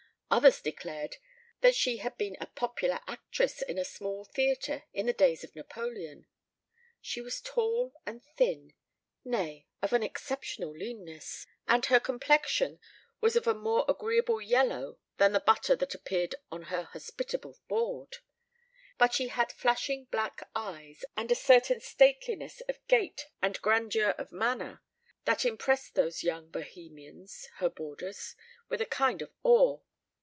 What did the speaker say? Others declared that she had been a popular actress in a small theatre in the days of Napoleon. She was tall and thin nay, of an exceptional leanness and her complexion was of a more agreeable yellow than the butter that appeared on her hospitable board; but she had flashing black eyes, and a certain stateliness of gait and grandeur of manner that impressed those young Bohemians, her boarders, with a kind of awe.